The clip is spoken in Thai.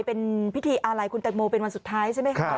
เป็นพิธีอาลัยคุณแตงโมเป็นวันสุดท้ายใช่ไหมคะ